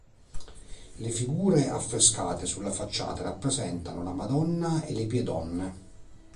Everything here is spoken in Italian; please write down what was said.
Le figure affrescate sulla facciata rappresentano la "Madonna" e le "Pie Donne".